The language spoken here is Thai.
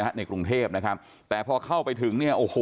นะครับในกรุงเทพฯนะครับแต่พอเข้าไปถึงเนี่ย